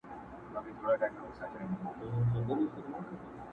قصابان یې د لېوه له زامو ژغوري؛